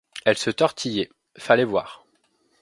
Elle se tortillait, fallait voir !